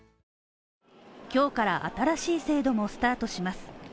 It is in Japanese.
今日から新しい制度もスタートします。